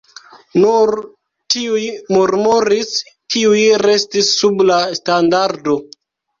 Nur tiuj murmuris, kiuj restis sub la standardo.